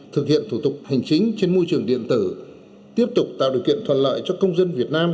thực hiện thủ tục hành chính trên môi trường điện tử tiếp tục tạo điều kiện thuận lợi cho công dân việt nam